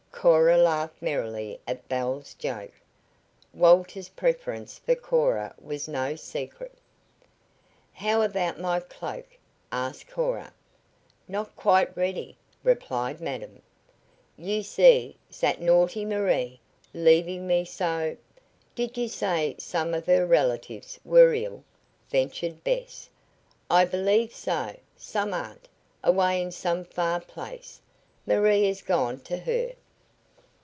Cora laughed merrily at Belle's joke. Walter's preference for Cora was no secret. "How about my cloak?" asked Cora. "Not quite ready," replied madam. "You see, zat naughty Marie, leaving me so " "Did you say some of her relatives were ill?" ventured Bess. "I believe so. Some aunt, away in some far place. Marie is gone to her."